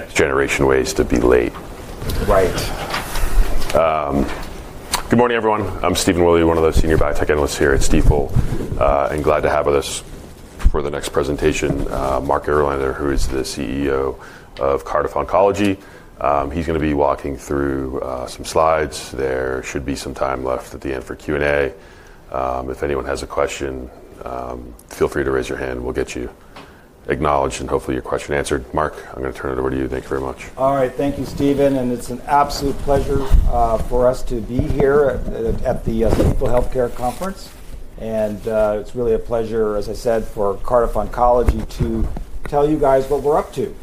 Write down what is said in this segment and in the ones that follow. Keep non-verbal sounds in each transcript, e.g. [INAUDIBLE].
Next generation ways to be late. Right. Good morning, everyone. I'm Stephen Willey one of the senior biotech analysts here at Stifel, and glad to have with us for the next presentation Mark Erlander, who is the CEO of Cardiff Oncology. He's going to be walking through some slides. There should be some time left at the end for Q&A. If anyone has a question, feel free to raise your hand. We'll get you acknowledged and hopefully your question answered. Mark, I'm going to turn it over to you. Thank you very much. All right. Thank you, Stephen. It's an absolute pleasure for us to be here at the Stifel Healthcare Conference. It's really a pleasure, as I said, for Cardiff Oncology to tell you guys what we're up to.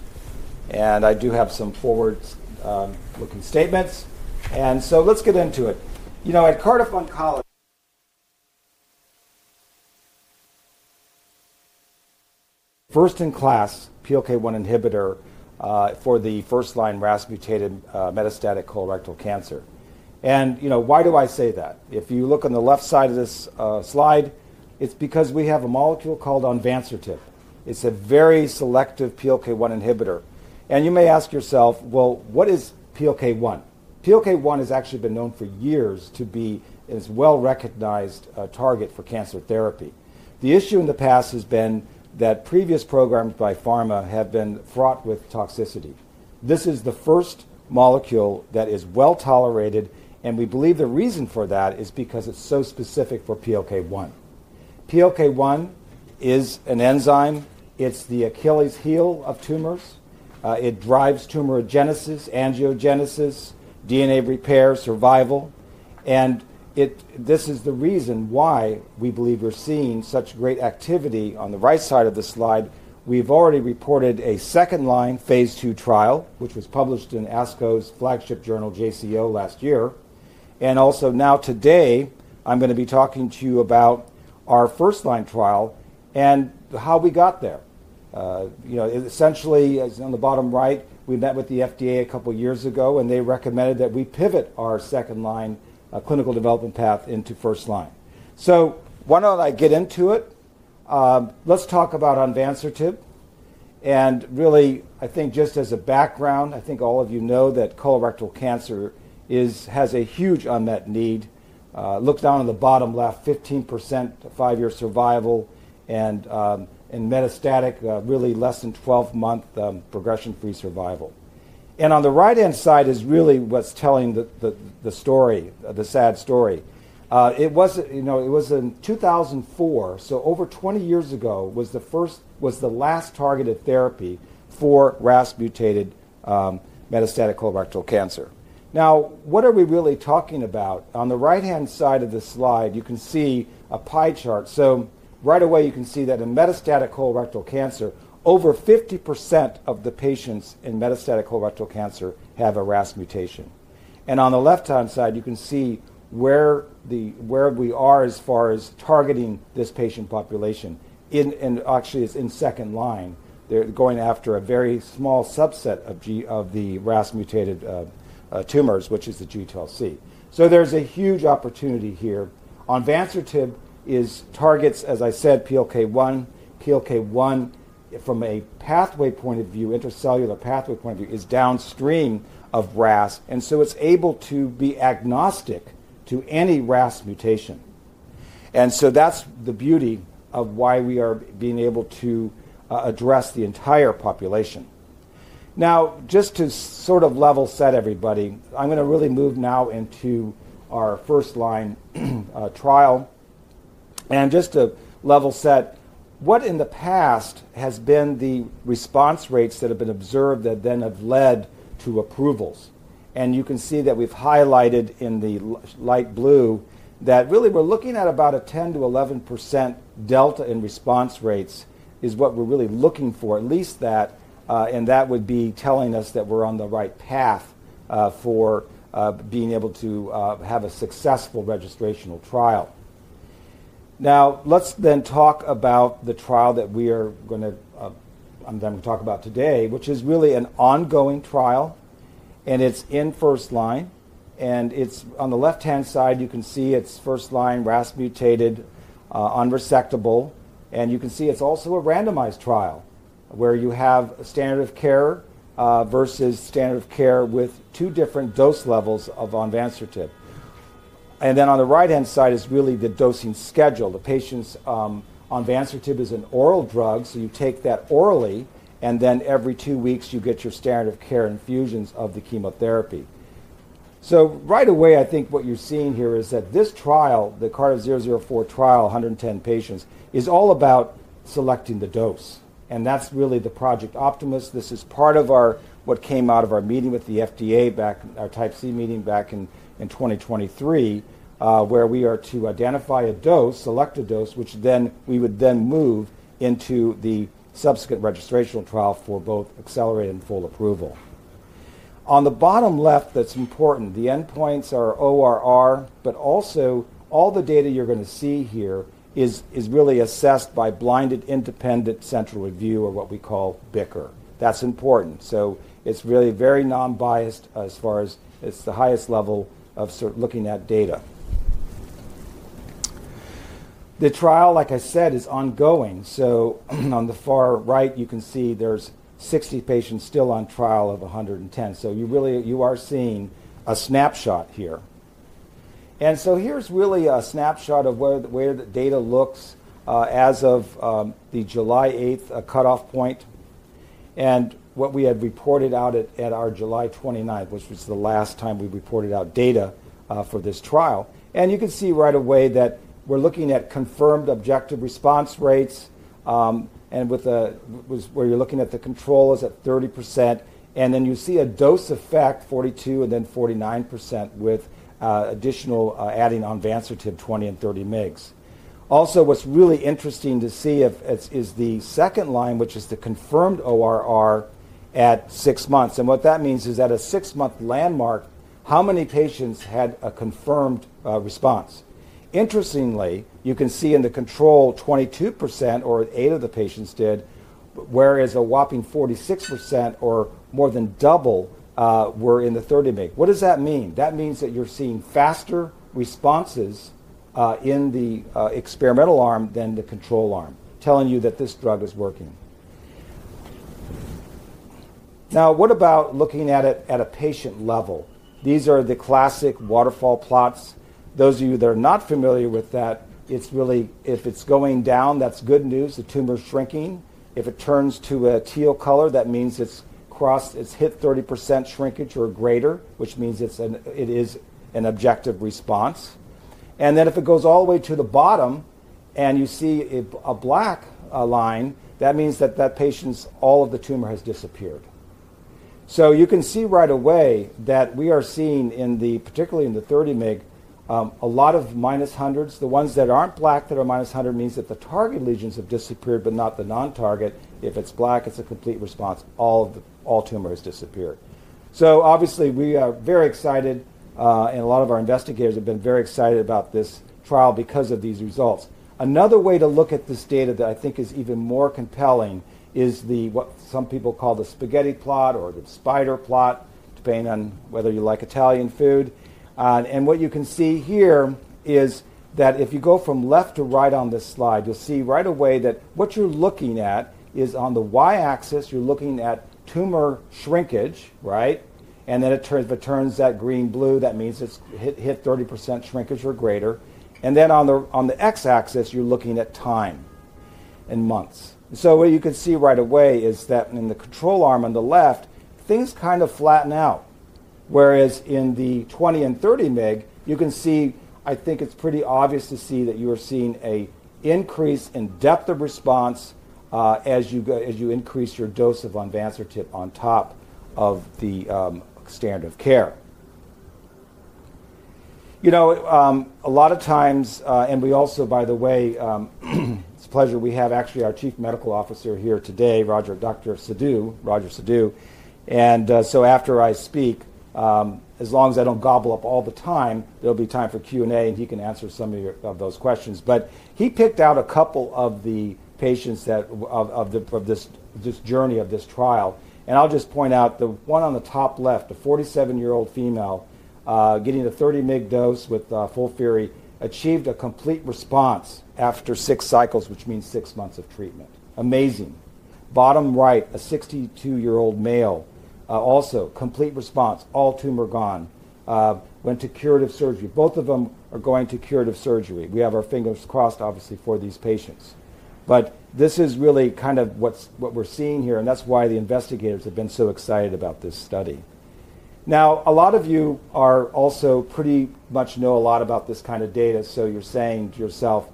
I do have some forward-looking statements. Let's get into it. You know, at Cardiff Oncology, first-in-class PLK1 inhibitor for the first-line RAS mutated metastatic colorectal cancer. You know, why do I say that? If you look on the left side of this slide, it's because we have a molecule called onvansertib. It's a very selective PLK1 inhibitor. You may ask yourself, well, what is PLK1? PLK1 has actually been known for years to be a well-recognized target for cancer therapy. The issue in the past has been that previous programs by pharma have been fraught with toxicity. This is the first molecule that is well tolerated. And we believe the reason for that is because it's so specific for PLK1. PLK1 is an enzyme. It's the Achilles heel of tumors. It drives tumorogenesis, angiogenesis, DNA repair, survival. And it, this is the reason why we believe we're seeing such great activity on the right side of the slide. We've already reported a second line phase 2 trial, which was published in ASCO's flagship journal, JCO, last year. And also now today, I'm going to be talking to you about our first line trial and how we got there. You know, essentially, as on the bottom right, we met with the FDA a couple of years ago, and they recommended that we pivot our second line, clinical development path into first line. So why don't I get into it? Let's talk about onvansertib. I think just as a background, I think all of you know that colorectal cancer has a huge unmet need. Look down on the bottom left, 15% five year survival, and metastatic, really less than 12 month progression free survival. On the right hand side is really what's telling the story, the sad story. It was in 2004, so over 20 years ago, was the last targeted therapy for RAS mutated metastatic colorectal cancer. Now, what are we really talking about? On the right hand side of this slide, you can see a pie chart. Right away, you can see that in metastatic colorectal cancer, over 50% of the patients in metastatic colorectal cancer have a RAS mutation. On the left hand side, you can see where we are as far as targeting this patient population in, in actually is in second line. They're going after a very small subset of the RAS mutated tumors, which is the G12C. There is a huge opportunity here. Onvansertib targets, as I said, PLK1. PLK1, from a pathway point of view, intracellular pathway point of view, is downstream of RAS. It is able to be agnostic to any RAS mutation. That is the beauty of why we are being able to address the entire population. Now, just to sort of level set everybody, I'm going to really move now into our first line trial. Just to level set, what in the past has been the response rates that have been observed that then have led to approvals. You can see that we've highlighted in the light blue that really we're looking at about a 10-11% delta in response rates, is what we're really looking for, at least that, and that would be telling us that we're on the right path, for being able to have a successful registrational trial. Now, let's then talk about the trial that we are going to, I'm going to talk about today, which is really an ongoing trial and it's in first line. It's on the left hand side, you can see it's first line RAS mutated, unresectable. You can see it's also a randomized trial where you have a standard of care versus standard of care with two different dose levels of onvansertib. On the right hand side is really the dosing schedule. The patient's onvansertib is an oral drug. You take that orally and then every two weeks you get your standard of care infusions of the chemotherapy. Right away, I think what you're seeing here is that this trial, the CARDIF-004 trial, 110 patients, is all about selecting the dose. That is really the project optimist. This is part of what came out of our meeting with the FDA, our type C meeting back in 2023, where we are to identify a dose, select a dose, which we would then move into the subsequent registrational trial for both accelerated and full approval. On the bottom left, that is important. The endpoints are ORR, but also all the data you're going to see here is really assessed by blinded independent central review, or what we call BICR. That is important. It's really very non-biased as far as it's the highest level of sort of looking at data. The trial, like I said, is ongoing. On the far right, you can see there are 60 patients still on trial of 110. You are seeing a snapshot here. Here's really a snapshot of where the data looks as of the July 8 cutoff point and what we had reported out at our July 29, which was the last time we reported out data for this trial. You can see right away that we're looking at confirmed objective response rates, and where you're looking at the control is at 30%. Then you see a dose effect, 42% and then 49% with additional, adding onvansertib 20 and 30 mg. Also, what's really interesting to see is the second line, which is the confirmed ORR at six months. What that means is at a six month landmark, how many patients had a confirmed response? Interestingly, you can see in the control 22% or eight of the patients did, whereas a whopping 46% or more than double, were in the 30 mg. What does that mean? That means that you're seeing faster responses in the experimental arm than the control arm, telling you that this drug is working. Now, what about looking at it at a patient level? These are the classic waterfall plots. Those of you that are not familiar with that, it's really, if it's going down, that's good news. The tumor's shrinking. If it turns to a teal color, that means it's crossed, it's hit 30% shrinkage or greater, which means it's an, it is an objective response. If it goes all the way to the bottom and you see a black line, that means that that patient's, all of the tumor has disappeared. You can see right away that we are seeing in the, particularly in the 30 mg, a lot of minus hundreds. The ones that aren't black that are minus hundred means that the target lesions have disappeared, but not the non-target. If it's black, it's a complete response. All of the, all tumors disappear. Obviously we are very excited, and a lot of our investigators have been very excited about this trial because of these results. Another way to look at this data that I think is even more compelling is the, what some people call the spaghetti plot or the spider plot, depending on whether you like Italian food. What you can see here is that if you go from left to right on this slide, you'll see right away that what you're looking at is on the Y axis, you're looking at tumor shrinkage, right? If it turns that green blue, that means it's hit 30% shrinkage or greater. On the X axis, you're looking at time in months. What you can see right away is that in the control arm on the left, things kind of flatten out, whereas in the 20 and 30 mg, you can see, I think it is pretty obvious to see that you are seeing an increase in depth of response as you go, as you increase your dose of onvansertib on top of the standard of care. You know, a lot of times, and we also, by the way, it is a pleasure we have actually our Chief Medical Officer here today, Dr. Roger Sidhu, Roger Sidhu. After I speak, as long as I do not gobble up all the time, there will be time for Q&A and he can answer some of your, of those questions. He picked out a couple of the patients that, of the, of this, this journey of this trial. I'll just point out the one on the top left, a 47-year-old female, getting a 30 mg dose with FOLFIRI, achieved a complete response after six cycles, which means six months of treatment. Amazing. Bottom right, a 62-year-old male, also complete response, all tumor gone, went to curative surgery. Both of them are going to curative surgery. We have our fingers crossed, obviously, for these patients. This is really kind of what's, what we're seeing here. That is why the investigators have been so excited about this study. Now, a lot of you also pretty much know a lot about this kind of data. You're saying to yourself,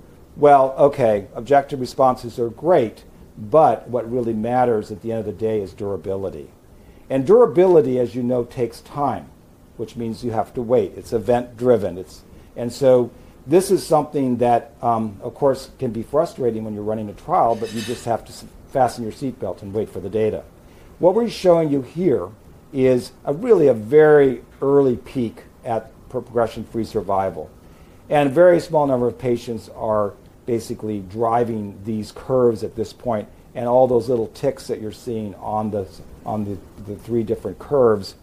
okay, objective responses are great, but what really matters at the end of the day is durability. Durability, as you know, takes time, which means you have to wait. It's event driven. It's, and so this is something that, of course, can be frustrating when you're running a trial, but you just have to fasten your seat belt and wait for the data. What we're showing you here is really a very early peak at progression-free survival. And a very small number of patients are basically driving these curves at this point. All those little ticks that you're seeing on the three different curves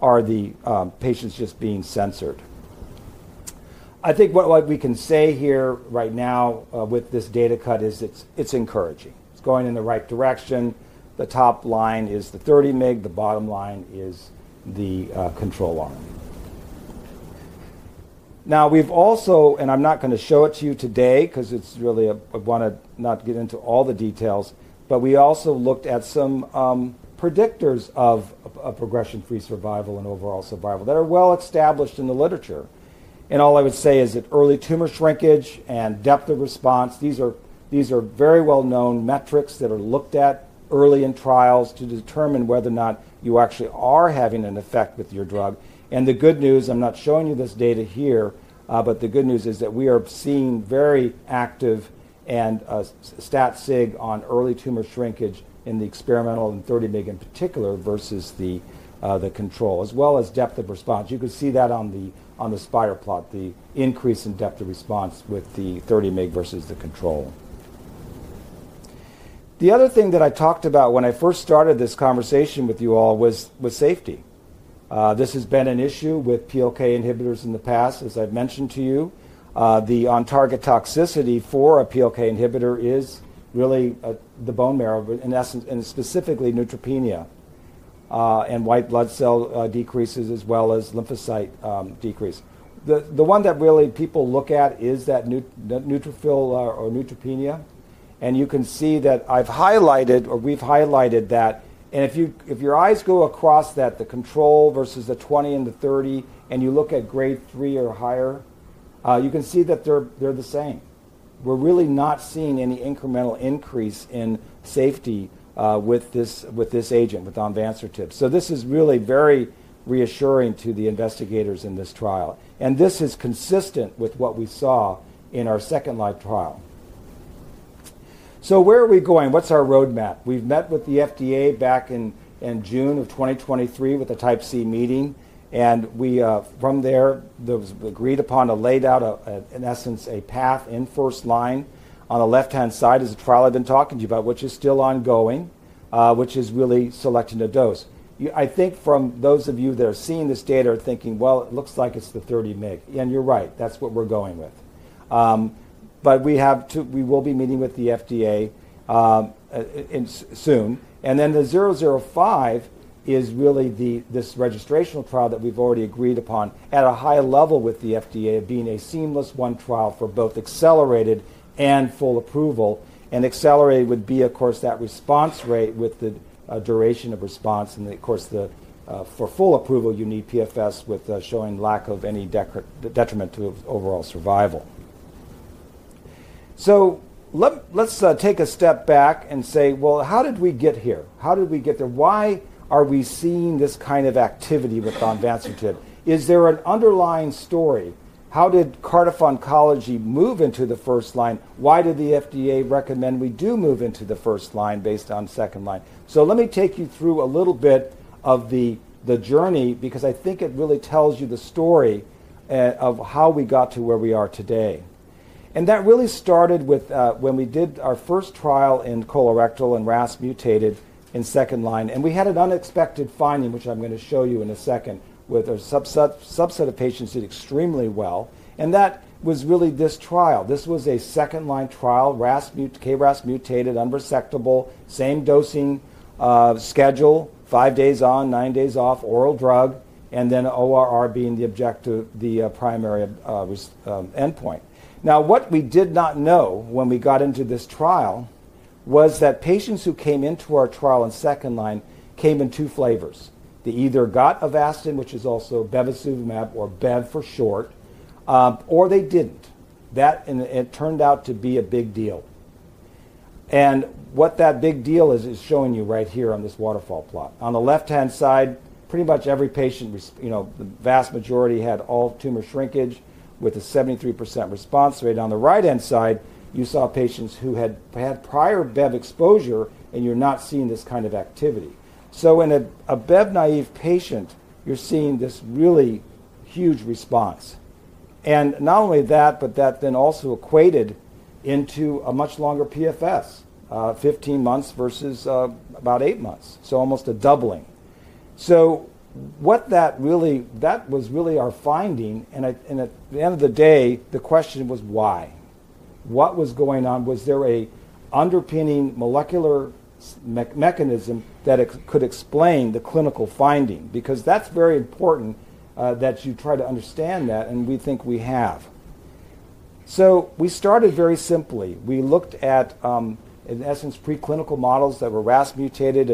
are the patients just being censored. I think what we can say here right now, with this data cut, is it's encouraging. It's going in the right direction. The top line is the 30 mg, the bottom line is the control arm. Now we've also, and I'm not going to show it to you today because it's really a, I want to not get into all the details, but we also looked at some predictors of progression-free survival and overall survival that are well established in the literature. All I would say is that early tumor shrinkage and depth of response, these are, these are very well known metrics that are looked at early in trials to determine whether or not you actually are having an effect with your drug. The good news, I'm not showing you this data here, but the good news is that we are seeing very active and stat sig on early tumor shrinkage in the experimental and 30 mg in particular versus the control, as well as depth of response. You can see that on the, on the spider plot, the increase in depth of response with the 30 mg versus the control. The other thing that I talked about when I first started this conversation with you all was, was safety. This has been an issue with PLK1 inhibitors in the past, as I have mentioned to you. The on-target toxicity for a PLK1 inhibitor is really the bone marrow, but in essence, and specifically neutropenia, and white blood cell decreases as well as lymphocyte decrease. The one that really people look at is that neutrophil or neutropenia. You can see that I have highlighted or we have highlighted that. If your eyes go across that, the control versus the 20 and the 30, and you look at grade three or higher, you can see that they are the same. We're really not seeing any incremental increase in safety with this agent, with onvansertib. This is really very reassuring to the investigators in this trial. This is consistent with what we saw in our second line trial. Where are we going? What's our roadmap? We met with the FDA back in June of 2023 with a type C meeting. From there, there was agreed upon and laid out, in essence, a path in first line. On the left hand side is a trial I've been talking to you about, which is still ongoing, which is really selecting a dose. I think for those of you that are seeing this data are thinking, well, it looks like it's the 30 mg. You're right. That's what we're going with. We will be meeting with the FDA soon. The 005 is really this registrational trial that we have already agreed upon at a high level with the FDA as being a seamless one trial for both accelerated and full approval. Accelerated would be, of course, that response rate with the duration of response. For full approval, you need PFS with showing lack of any detriment to overall survival. Let us take a step back and say, how did we get here? How did we get there? Why are we seeing this kind of activity with onvansertib? Is there an underlying story? How did Cardiff Oncology move into the first line? Why did the FDA recommend we do move into the first line based on second line? Let me take you through a little bit of the journey, because I think it really tells you the story of how we got to where we are today. That really started with when we did our first trial in colorectal and RAS mutated in second line. We had an unexpected finding, which I'm going to show you in a second, with a subset of patients did extremely well. That was really this trial. This was a second line trial, RAS, KRAS mutated, unresectable, same dosing schedule, five days on, nine days off, oral drug, and then ORR being the objective, the primary, was endpoint. What we did not know when we got into this trial was that patients who came into our trial in second line came in two flavors. They either got Avastin, which is also Bevacizumab or BEV for short, or they didn't. That turned out to be a big deal. What that big deal is, is showing you right here on this waterfall plot. On the left hand side, pretty much every patient, you know, the vast majority had all tumor shrinkage with a 73% response rate. On the right hand side, you saw patients who had had prior BEV exposure and you're not seeing this kind of activity. In a BEV naive patient, you're seeing this really huge response. Not only that, but that then also equated into a much longer PFS, 15 months versus about eight months. Almost a doubling. That was really our finding. At the end of the day, the question was why? What was going on? Was there an underpinning molecular mechanism that could explain the clinical finding? Because that's very important, that you try to understand that. And we think we have. We started very simply. We looked at, in essence, preclinical models that were RAS mutated.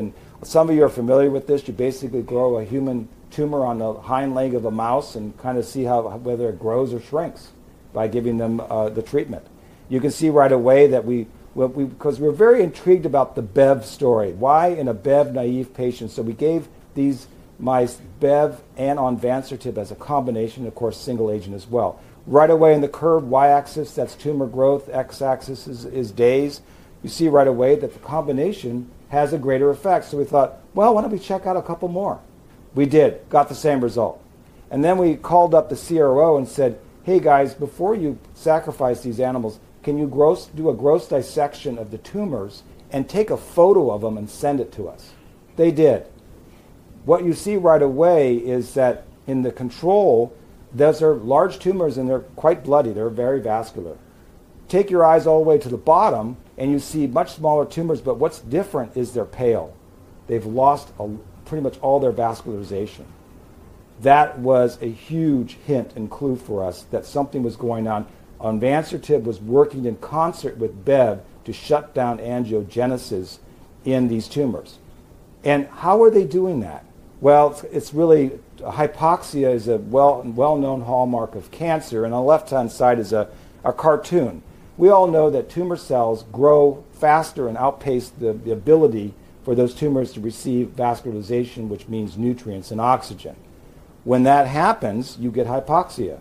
Some of you are familiar with this. You basically grow a human tumor on the hind leg of a mouse and kind of see how, whether it grows or shrinks by giving them the treatment. You can see right away that we, because we were very intrigued about the BEV story. Why in a BEV naive patient? We gave these mice BEV and onvansertib as a combination, and of course, single agent as well. Right away in the curved Y axis, that's tumor growth. X axis is days. You see right away that the combination has a greater effect. We thought, why don't we check out a couple more? We did, got the same result. We called up the CRO and said, hey guys, before you sacrifice these animals, can you do a gross dissection of the tumors and take a photo of them and send it to us? They did. What you see right away is that in the control, those are large tumors and they're quite bloody. They're very vascular. Take your eyes all the way to the bottom and you see much smaller tumors, but what's different is they're pale. They've lost pretty much all their vascularization. That was a huge hint and clue for us that something was going on. Onvansertib was working in concert with BEV to shut down angiogenesis in these tumors. How are they doing that? It's really, hypoxia is a well-known hallmark of cancer. On the left-hand side is a cartoon. We all know that tumor cells grow faster and outpace the ability for those tumors to receive vascularization, which means nutrients and oxygen. When that happens, you get hypoxia.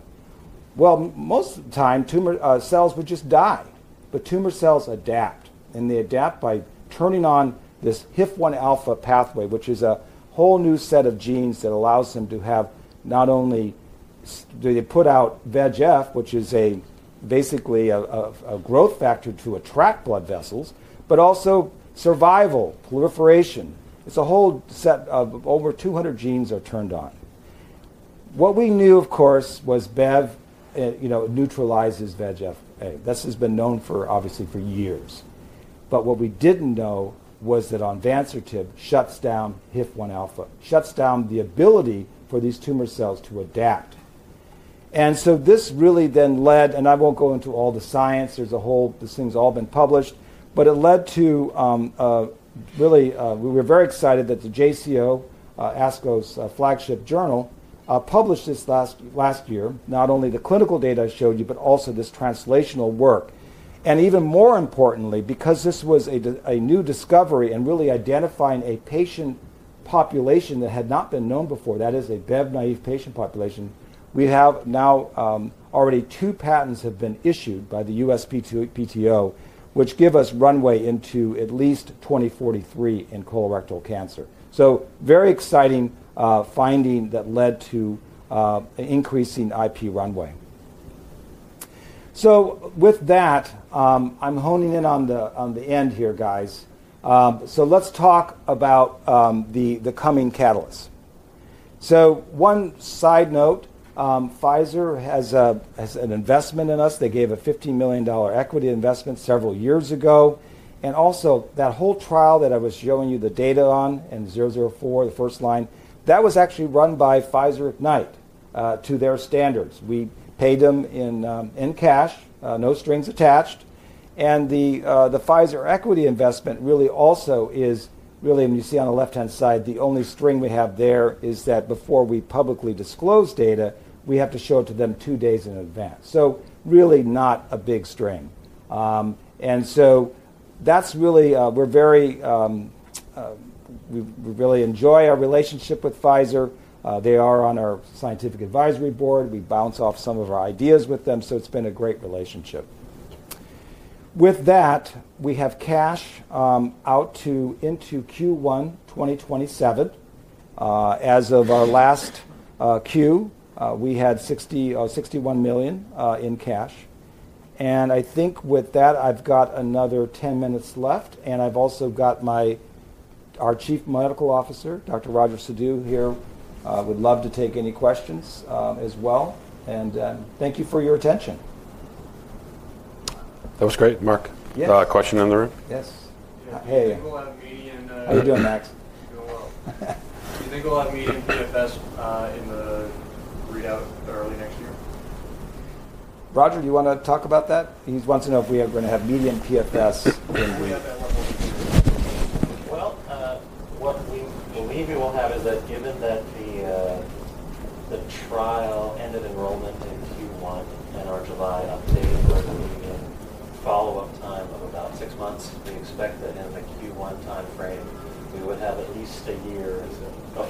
Most of the time, tumor cells would just die, but tumor cells adapt. They adapt by turning on this HIF-1 alpha pathway, which is a whole new set of genes that allows them to have not only do they put out VEGF, which is basically a growth factor to attract blood vessels, but also survival, proliferation. It is a whole set of over 200 genes that are turned on. What we knew, of course, was BEV, you know, neutralizes VEGF A. This has been known for years. What we did not know was that onvansertib shuts down HIF-1 alpha, shuts down the ability for these tumor cells to adapt. This really then led, and I won't go into all the science, there's a whole, this thing's all been published, but it led to, really, we were very excited that the JCO, ASCO's flagship journal, published this last year, not only the clinical data I showed you, but also this translational work. Even more importantly, because this was a new discovery and really identifying a patient population that had not been known before, that is a BEV naive patient population. We have now, already two patents have been issued by the USPTO, which give us runway into at least 2043 in colorectal cancer. Very exciting, finding that led to increasing IP runway. With that, I'm honing in on the end here, guys. Let's talk about the coming catalysts. One side note, Pfizer has an investment in us. They gave a $15 million equity investment several years ago. Also, that whole trial that I was showing you the data on, and 004, the first line, that was actually run by Pfizer at night, to their standards. We paid them in cash, no strings attached. The Pfizer equity investment really also is really, and you see on the left-hand side, the only string we have there is that before we publicly disclose data, we have to show it to them two days in advance. Really not a big string. That is really, we are very, we really enjoy our relationship with Pfizer. They are on our scientific advisory board. We bounce off some of our ideas with them. It has been a great relationship. With that, we have CAF, out to into Q1 2027. As of our last Q, we had $60, $61 million in cash. I think with that, I've got another 10 minutes left. I've also got my, our Chief Medical Officer, Dr. Roger Sidhu here, would love to take any questions, as well. Thank you for your attention. That was great, Mark. Yeah. Question in the room? Yes. Hey. How are you doing Max? Doing well. Do you think we'll have median PFS in the readout early next year? Roger, do you want to talk about that? He wants to know if we are going to have median PFS then we have. What we believe we will have is that given that the trial and the enrollment, if you want an urgent buy update with the follow-up time of about six months, they expect that in the Q1 timeframe, we would have at least a year's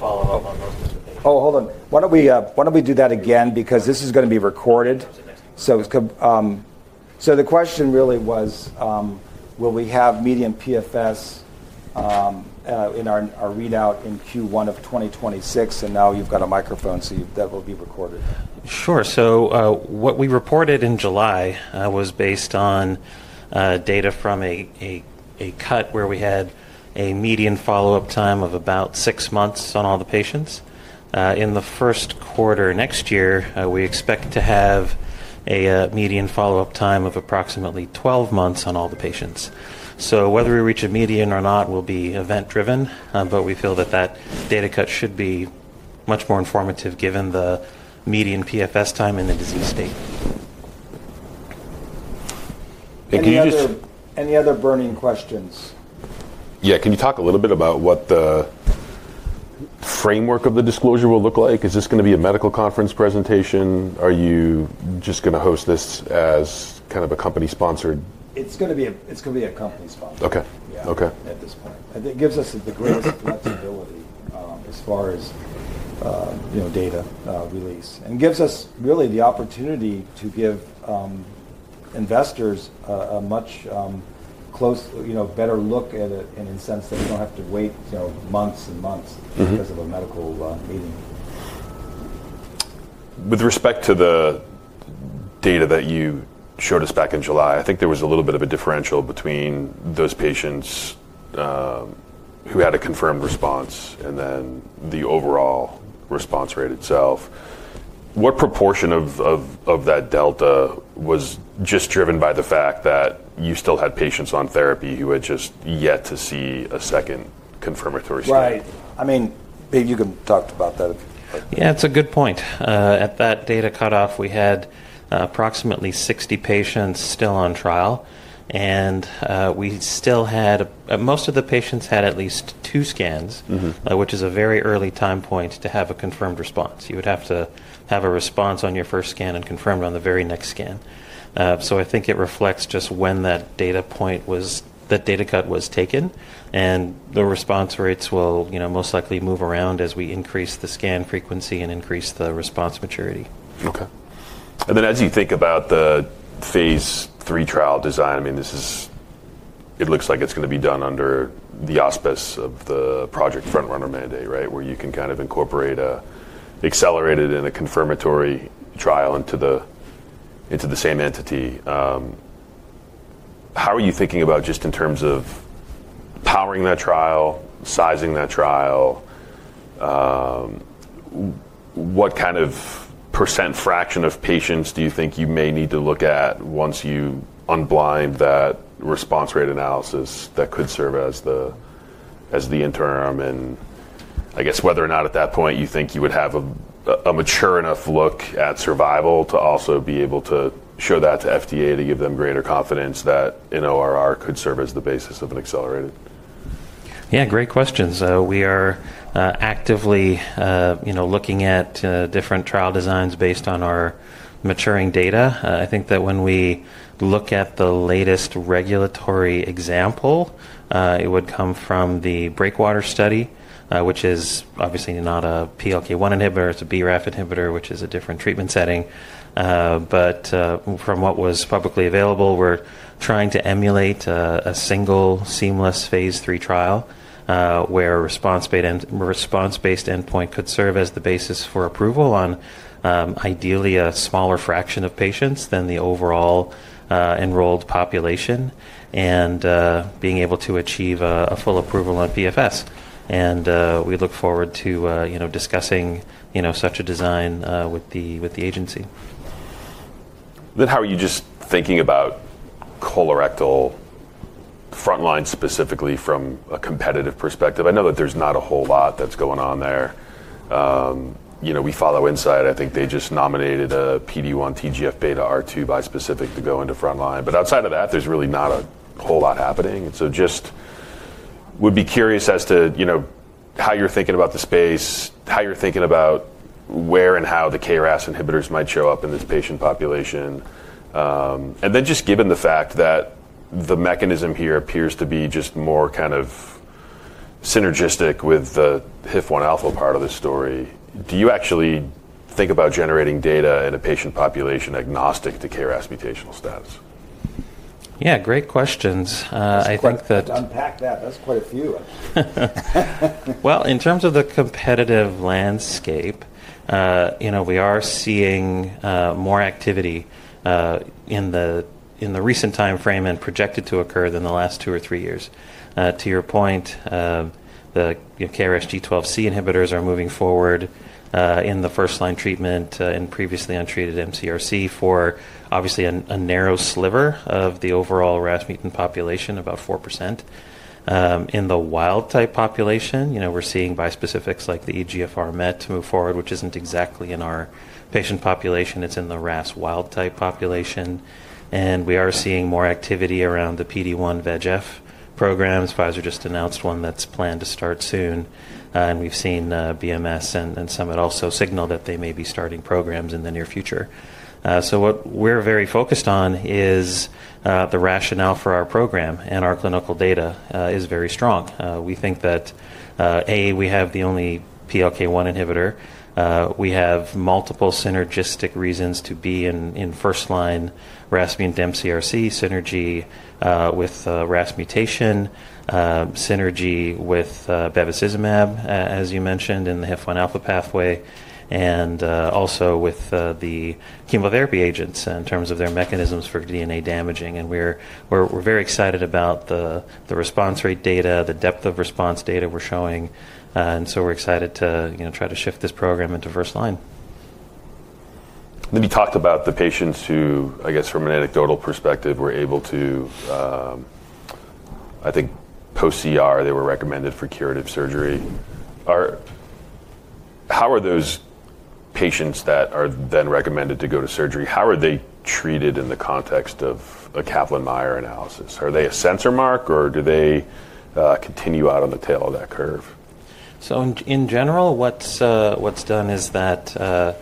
follow-up on those. Oh, hold on. Why don't we do that again? Because this is going to be recorded. The question really was, will we have median PFS in our readout in Q1 of 2026? Now you've got a microphone, so that will be recorded. Sure. What we reported in July was based on data from a cut where we had a median follow-up time of about six months on all the patients. In the first quarter next year, we expect to have a median follow-up time of approximately 12 months on all the patients. Whether we reach a median or not will be event-driven, but we feel that that data cut should be much more informative given the median PFS time and the disease state. Any other, any other burning questions? Yeah. Can you talk a little bit about what the framework of the disclosure will look like? Is this going to be a medical conference presentation? Are you just going to host this as kind of a company-sponsored? It's going to be a, it's going to be a company-sponsored. [CROSSTALK] At this point. It gives us the greatest flexibility, as far as, you know, data release. It gives us really the opportunity to give investors a much closer, you know, better look at it in a sense that we do not have to wait, you know, months and months because of a medical meeting. With respect to the data that you showed us back in July, I think there was a little bit of a differential between those patients who had a confirmed response and then the overall response rate itself. What proportion of that delta was just driven by the fact that you still had patients on therapy who had just yet to see a second confirmatory scan? Right. I mean, maybe you can talk about that. Yeah, it is a good point. At that data cutoff, we had approximately 60 patients still on trial. We still had, most of the patients had at least two scans, which is a very early time point to have a confirmed response. You would have to have a response on your first scan and confirmed on the very next scan. I think it reflects just when that data point was, that data cut was taken. The response rates will, you know, most likely move around as we increase the scan frequency and increase the response maturity. Okay. As you think about the phase three trial design, I mean, this is, it looks like it's going to be done under the auspice of the project front runner mandate, right? Where you can kind of incorporate an accelerated in a confirmatory trial into the same entity. How are you thinking about just in terms of powering that trial, sizing that trial? What kind of percent fraction of patients do you think you may need to look at once you unblind that response rate analysis that could serve as the, as the interim? I guess whether or not at that point you think you would have a mature enough look at survival to also be able to show that to FDA to give them greater confidence that an ORR could serve as the basis of an accelerated? Yeah, great questions. We are actively, you know, looking at different trial designs based on our maturing data. I think that when we look at the latest regulatory example, it would come from the Breakwater study, which is obviously not a PLK1 inhibitor. It's a BRAF inhibitor, which is a different treatment setting. but, from what was publicly available, we're trying to emulate, a single seamless phase three trial, where a response-based endpoint could serve as the basis for approval on, ideally a smaller fraction of patients than the overall, enrolled population, and being able to achieve a, a full approval on PFS. We look forward to, you know, discussing, you know, such a design, with the, with the agency. How are you just thinking about colorectal frontline specifically from a competitive perspective? I know that there's not a whole lot that's going on there. you know, we follow Incyte. I think they just nominated a PD1 TGF beta R2 bispecific to go into frontline. But outside of that, there's really not a whole lot happening. Just would be curious as to, you know, how you're thinking about the space, how you're thinking about where and how the KRAS inhibitors might show up in this patient population. And then just given the fact that the mechanism here appears to be just more kind of synergistic with the HIF-1 alpha part of the story, do you actually think about generating data in a patient population agnostic to KRAS mutational status? Yeah, great questions. I think. [CROSSTALK] In terms of the competitive landscape, you know, we are seeing more activity in the recent timeframe and projected to occur than the last two or three years. To your point, the, you know, KRAS G12C inhibitors are moving forward, in the first line treatment, in previously untreated mCRC for obviously a narrow sliver of the overall RAS mutant population, about 4%. In the wild type population, you know, we're seeing bispecifics like the EGFR MET to move forward, which isn't exactly in our patient population. It's in the RAS wild type population. And we are seeing more activity around the PD1 VEGF programs. Pfizer just announced one that's planned to start soon. And we've seen, BMS and, and some have also signaled that they may be starting programs in the near future. So what we're very focused on is, the rationale for our program and our clinical data, is very strong. We think that, A, we have the only PLK1 inhibitor. We have multiple synergistic reasons to be in, in first line RAS mutant mCRC, synergy with RAS mutation, synergy with bevacizumab, as you mentioned in the HIF-1 alpha pathway, and also with the chemotherapy agents in terms of their mechanisms for DNA damaging. We are very excited about the response rate data, the depth of response data we are showing. We are excited to, you know, try to shift this program into first line. You talked about the patients who, I guess from an anecdotal perspective, were able to, I think post CR they were recommended for curative surgery. How are those patients that are then recommended to go to surgery, how are they treated in the context of a Kaplan-Meier analysis? Are they a sensor mark or do they continue out on the tail of that curve? In general, what's done is that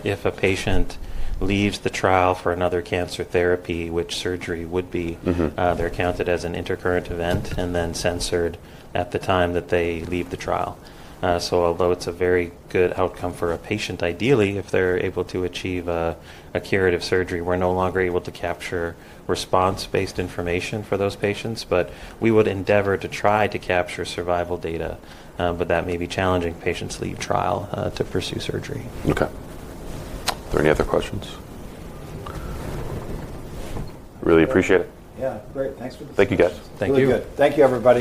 if a patient leaves the trial for another cancer therapy, which surgery would be, they're counted as an intercurrent event and then censored at the time that they leave the trial. Although it's a very good outcome for a patient, ideally, if they're able to achieve a curative surgery, we're no longer able to capture response-based information for those patients, but we would endeavor to try to capture survival data, but that may be challenging. Patients leave trial to pursue surgery. Okay. Are there any other questions? Really appreciate it. Yeah, great. Thanks for the time. Thank you, guys. Thank you. Thank you, everybody.